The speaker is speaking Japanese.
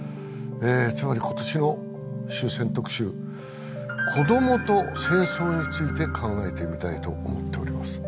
つまり今年の終戦特集子どもと戦争について考えてみたいと思っております